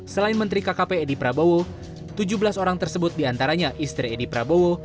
selain menteri kkp edi prabowo tujuh belas orang tersebut diantaranya istri edi prabowo